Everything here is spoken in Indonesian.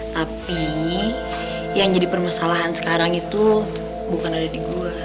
tapi yang jadi permasalahan sekarang itu bukan ada di gua